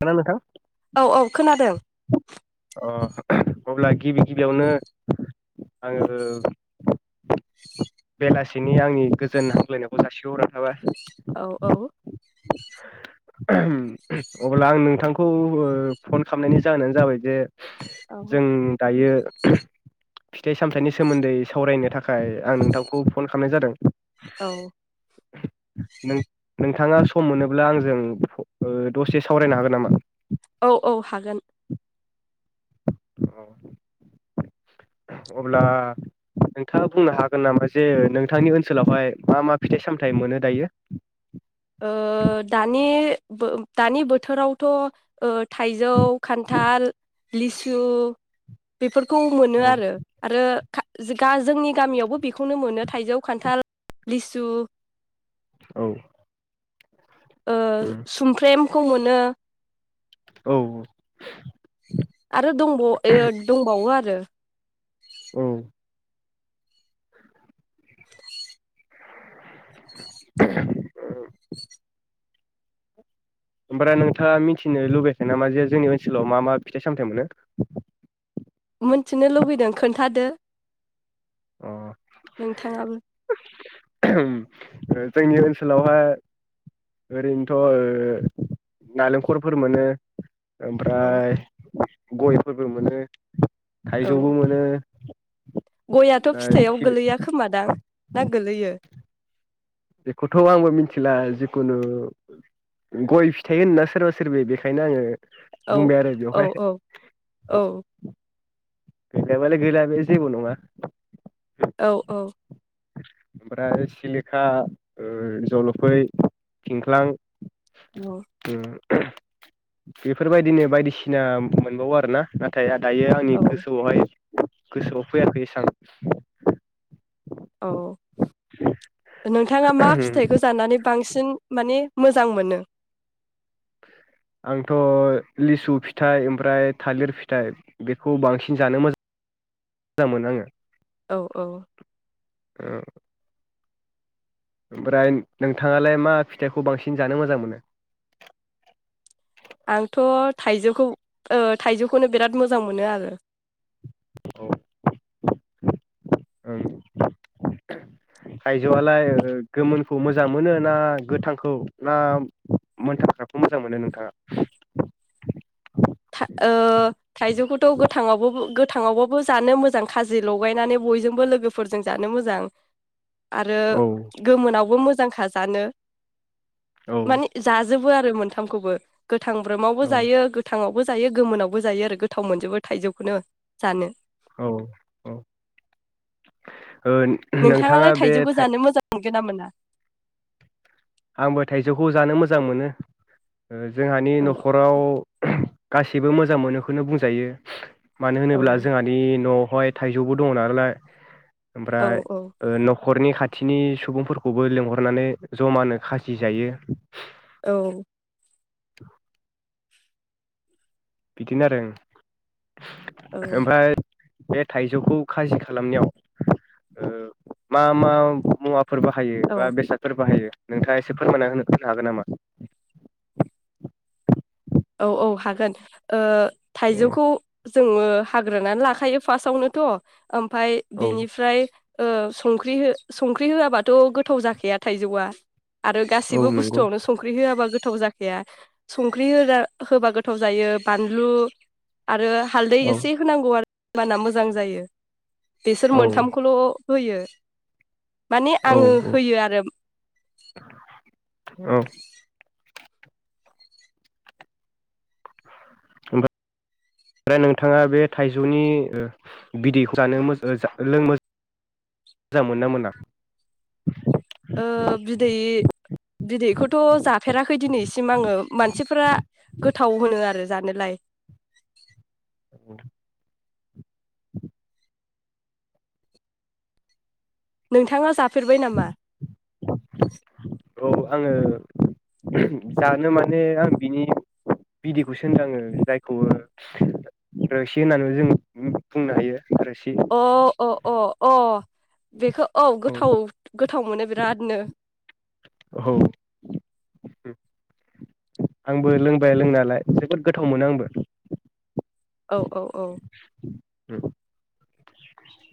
[unintelligible] नोंथां औ औ खोनादों अ अब्ला गिबि गिबियावनो आङो बेलासिनि आंनि गोजोन हामग्लायनायखौ जासिहरनाय थाबाय औ औ [unintelligible] अब्ला आं नोंथांखौ ओ फन खालामनायनि जाहोनानो जाबाय जे औ जों दायो फिथाइ सामथाइनि सोमोन्दै सावरायनो थाखाय आं नोंथांखौ फन खालामनाय जादों औ नोंथाङा सम मोनोब्ला आंजों ओ दसे सावरायनो हागोन नामा औ हागोन औ अब्ला नोंथाङा बुंनो हागोन नामा जे नोंथांनि ओनसोलावहाय मा मा फिथाइ सामथाइ मोनो दायो? ओ दानि दानि बोथोरावथ' ओ थाइजौ खान्थाल लिसु बेफोर खौ मोनो औ आरो आरो जोंनि गामियावबो बेखौनो मोनो थाइजौ खान्थाल लिसु औ ओ उम सुमफ्रेम खौ मोनो। औ आरो दंब दंबावो आरो औ [inaudible] [unintelligible] ओमफ्राय नोंथाङा मिथिनो लुबैयाखै नामा जे जोंनि ओनसोलाव मा मा फिथाइ सामथाइ मोनो। मिथिनो लुबैदों खोन्थादो। अ नोंथाङाबो जोंनि ओनसोलावहाय ओरैनोथ' ओ नालेंखरफोर मोनो। औ ओमफ्राय गयफोरबो मोनो। थाइजौबो मोनो। गइयाथ ओमफ्राय फिथायाव सिलि गोलैया खोमादां ना गोलैयो? बेखौथ आंबो मिथिला जिखुनु गय फिथाइ होनना सोरबा सोरबि बेखायनो आङो औ बुंबाय आरो औ बेवहाय औ औ गोलैयाबालाय गोलैया बे जेबो नङा। औ औ ओमफ्राय सिलिखा ओ जलफै थिंख्लां औ उम बेफोरबायदिनो बायदिसिना मोनबावो आरो ना। नाथाय दायो आंनि औ गोसोआवहाय गोसोआव फैयाखै एसां औ एसेबां नोंथाङा मा फिथाइखौ जानानै बांसिन माने मोजां मोनो। आंथ लिसु फिथाइ ओमफ्राय थालिर फिथाइ बेखौ बांसिन जानो मोजां मोजां मोनो आङो। औ औ ओ ओमफ्राय नोंथाङालाय मा फिथाइखौ बांसिन जानो मोजां मोनो आंथ' थाइजौखौ ओ थाइजौखौनो बिराद मोजां मोनो आरो। औ थायजौआलाय गोमोनखौ मोजां मोनो ना गोथांखौ ना मोनथाख्राखौ मोजां मोनो नोंथाङा? थाइजौखौथ गोथाङाव गोथाङावबाबो जानो मोजां खाजि लगायनानै बयजोंबो लोगोफोरजों जानो मोजां आरो औ गोमोनाव बो मोजांखा जानो औ माने जा जोबो आरो मोनथामखौबो गोथां ब्रोमावबो औ जायो गोथां। ङावबो जायो गोमोनावबो जायो आरो गोथाव मोनजोबो थाइजौखौनो जानो औ औ ओ नोंथाङा नोंथाङालाय बे थाइजौखौ थाइ जानो मोजां मोनो मोना आंबो थाइजौखौ जानो मोजां मोनो ओ जोंहानि औ न'खराव गासिबो मोजां मोनोखौनो बुंजायो मानो औ होनोब्ला जोंहानि न' बेहाय थाइजौबो दङ नालाय औ ओमफ्राय न' हरनि खाथिनि सुबुंफोरखौबो लेंहरनानै जमानो खाजि जायो औ [inaudible] बिदिनो आरो औ ओं ओमफ्राय बे थाइजौखौ खाजि खालामनायाव ओ मा मा मुवा फोर बाहायो बा औ बेसादफोर बाहायो नोंथाङा एसे फोरमायना होनो होनो हागोन नामा? औ औ हागोन ओ थाइजौखौ जोङो हाग्रोनानै लाखायो फार्स्टआवनोथ' ओमफाय औ बिनिफ्राय ओ संख्रि संख्रि होआबाथ' गोथाव जाखाया थाइजौआ आरो औ गासिबो नंगौ बुस्थुआवनो संख्रि होआबा गो गोथाव जाखाया संख्रि होना होबा गोथाव जायो बानलु आरो हालदै औ एसे होनांगौ आरो होमबाना मोजां जायो बिसोर औ मोनथामखौल' होयो माने औ आङो औ होयो आरो औ ओमफाय ओमफ्राय नोंथाङा बे थाइजौनि ओ बिदैखौ जानो लों मोजां मोन ना मोना ओ बिदै बिदैखौथ' जाफेराखै दिनैसिम सिम आङो मानसिफोरा गोथाव होनो आरो जानोलाय औ नोंथाङा जाफेरबाय नामा? औ आङो जानो माने आं बिनि बिदैखौसो होनदों आङो जायखौ रोसि होननानैबो जों बुंनो हायो रोसि अ अ अ अ बेखौ औ गोथाव गो गोथाव मोनो बिरादनो औ आंबो लोंबाय लोंनायालाय जोबोद गोथाव मोनो आंबो औ औ औ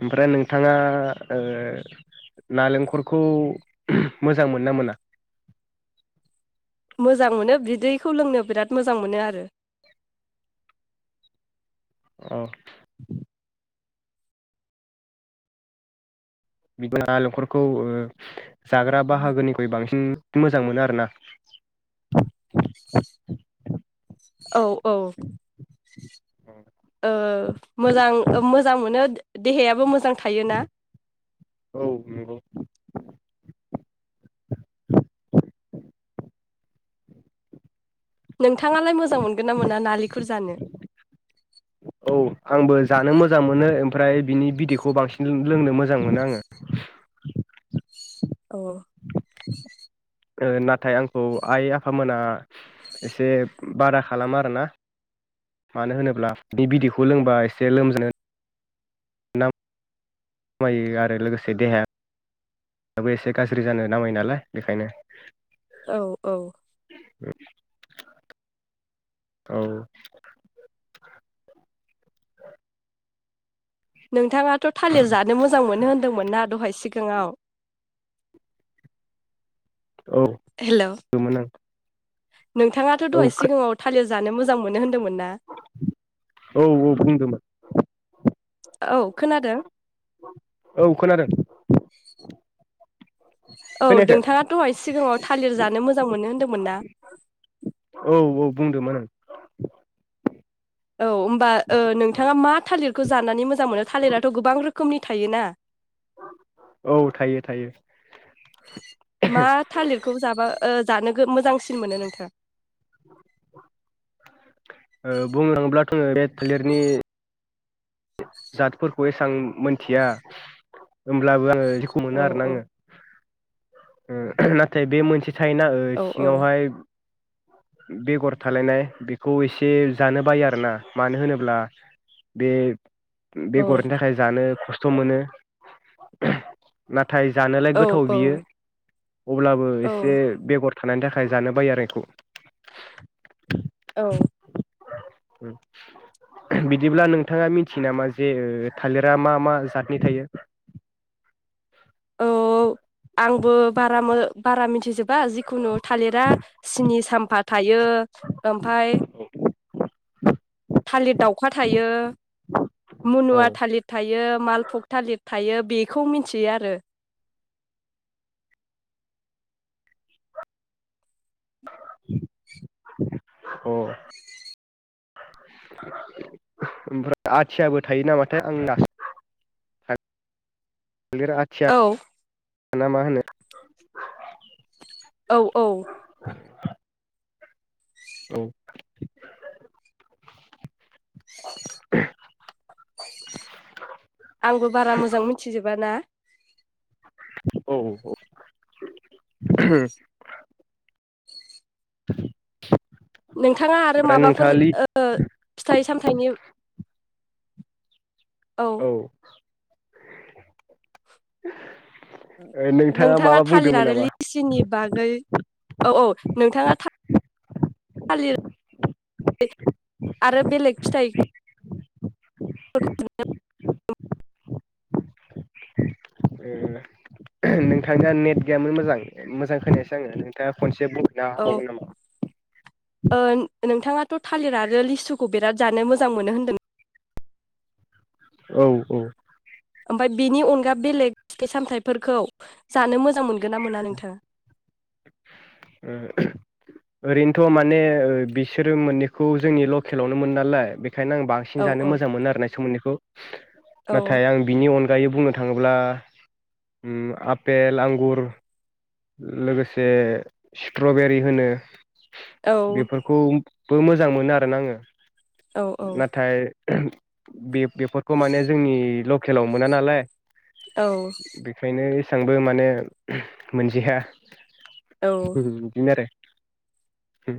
ओमफ्राय नोंथाङा ओ नालेंखरखौ मोजां मोनो ना मोना मोजां मोनो बिदैखौ लोंनो बिराद मोजां मोनो आरो औ [inaudible] [unintelligible] नालेंखरखौ ओ जाग्रा बाहागोनिख्रुइ बांसिन मोजां मोनो आरो ना औ औ ओ मोजां मोजां मोनो देहायाबो मोजां थायोना औ नंगौ नोंथाङालाय मोजां मोनगोन ना मोना नारेंखल जानो औ आंबो जानो मोजां मोनो ओम ओमफ्राय बिनि बिदैखौ बांसिन लोंनो मोजां मोनो आङो औ ओ नाथाय आंखौ आइ आफामोना एसे बादा खालामो आरोना मानो होनोब्ला बे बिदैखौ लोंबा एसे लोमजा नामायो आरो लोगोसे देहायाबो एसे गाज्रि जानो नामायो नालाय बेखायनो औ औ औ नोंथाङा 'थ थालिर जानो मोजां मोनो होन्दोंमोन ना दहाय सि सिङाव औ गोमोन आं नोंथाङाथ' औ दहाय सिगाङाव थालिर जानो मोजां मोनो होनदोंमोन ना औ औ बुंंदोमोन औ खोनादों औ खोनादों औ खोनायाखै नोंथाङाथ' दहाय सिगाङाव थालिर जानो मोजां मोनो होन्दोंमोन ना औ औ बुंदोंमोन आं औ होमबा ओ नोंथाङा मा थालिरखौ जानानै मोजां मोनो थालिराथ' गोबां रोखोमनि थायोना औ थायो थायो मा थालिरखौ जाबा ओ जानो मोजांसिन मोनो नोंथां ओ बुंङो थाङोब्लाथ बे थालिरनि जातफोरखौ एसां मोनथिया होमब्लाबो आङो खौ औ मोनो आरोना औ आङो नाथाय बे मोनसे थायोना औ औ सिङावहाय बेगर थालायनाय बेखौ एसे जानो बायो आरोना मानो होनोब्ला बे औ बेगरनि थाखाय जानो ख खस्थ' मोनो ना नाथाय जानोलाय औ गोथाव बियो अब्लाबो एसे औ बेगर थानायनि थाखाय जानो बायो आरो बेखौ औ बिदिब्ला नोंथाङा मिथियो नामा जे थालिरा मा मा जातनि थायो। औ आंबो बारा बारा मिथिजोब बा जिखुनु थालिरा सिनि साम थायो ओमफाय थालिर दाउखा थायो औ मुनुवा थालिर थायो मालफग थालिर थायो बेखौ मिथियो आरो अ ओमफ्राय आथियाबो थायो नामाथाय आं [unintelligible] थालिर आथिया औ ना मा होनो औ औ [inaudible] औ आंबो बारा मोजां मिथिजोबा ना औ औ [inaudible] नोंथाङा आरो माबाफोर नोंथाङालि ओ फिथाइ सामथायनि औ [inaudible] नोंथाङा माबा थालिर बुंदोंमोन आरो नामा लिसिनि बागै औ औ नोंथाङा थालिर आरो बेलेग फिथाइ फो [inaudible] [inaudible] ओ नोंथांनिया नेट गैयामोन मोजां मोजां खोनायासो आङो नोंथाङा खनसे से बुंफिननो औ हाबावगोन नामा? ओ नोंथाङाथ' थालिर आरो लिसुखौ बिराद जानो मोजां मोनो होनदों औ औ ओमफाय बेनि अनगा बेलेग फिथाइ सामथाइफोरखौ जानो मोजां मोनगोन गोना मोना नोंथाङा ओ ओरैनोथ' माने बिसोरो मोननैखौ जोंनि लकेलावनो मोनो नालाय। बेखायनो आं औ बांसिन जानो औ मोजां मोनो आर ना बेसोर मोन्नैखौ औ नाथाय आं बिनि अनगा दायो बुंनो थाङोब्ला उम आफेल आंगुर लोगोसे स्ट्रबेरि होनो। औ बेफोरखौ बो मोजां मोनो आरोना आङो औ नाथाय बे बेफोरखौ माने जोंनि लकेलाव मोना नालाय। औ बेखायनो एसांबो माने मोनजाया औ उम दिनो आरो उम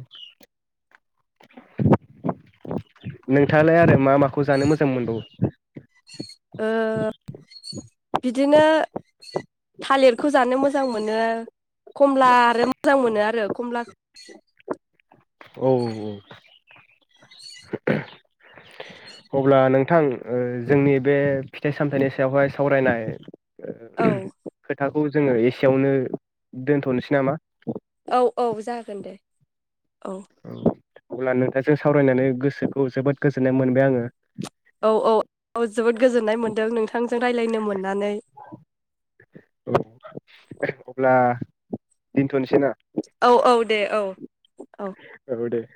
नोंथाङालाय आरो मा माखौ जानो मोजां मोनबावो ओ बिदिनो थालिरखौ जानो मोजां मोनो। खमला आरो मोजां मोनो आरो कमलाखौ औ औ औ अब्ला नोंथां जोंनि बे फिथाइ सामथायाइनि सायावहाय सावरायनाय। औ खौ जोङो एसेयावनो दोनथ'नोसै नामा औ औ जागोन दे औ अब्ला नोंथांजों सावरायनानै गोसोखौ जोबोद गोजोननाय मोनबाय आङो। औ औ औ जोबोद गोजोननाय मोनदों नोंथांजों रायलायनो मोननानै अब्ला दोनथ'नोसै ना? औ औ दे औ औ औ दे